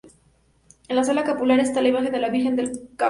En la sala Capitular está la imagen de la "Virgen del Capítulo".